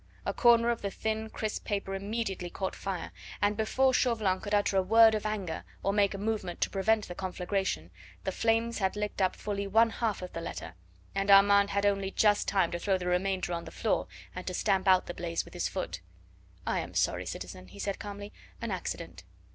A corner of the thin crisp paper immediately caught fire, and before Chauvelin could utter a word of anger, or make a movement to prevent the conflagration, the flames had licked up fully one half of the letter, and Armand had only just time to throw the remainder on the floor and to stamp out the blaze with his foot. "I am sorry, citizen," he said calmly; "an accident."